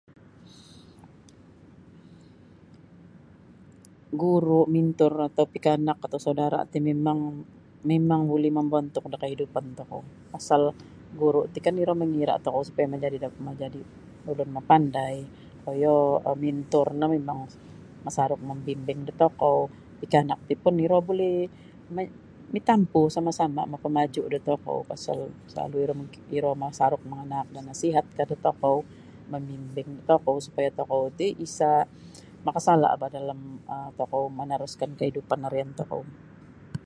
Guru' mentor atau pikanak atau saudara' ti mimang mimang buli mombontuk da kaidupan tokou pasal guru' ti kan iro mangira' tokou supaya majadi da majadi ulun mapandai koyo mentor no mimang masaruk mambimbing da tokou pikanak ti pun iro buli mi mitampu sama'-sama' mapamaju' da tokou pasal salalu' iro iro masaruk manaak da nasihatkah da tokou mamimpin da tokou supaya tokou ti isa' makasala' bah dalam tokou manaruskan kaidupan arian tokou.